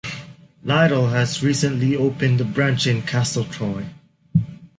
Lidl have recently opened a branch in Castletroy.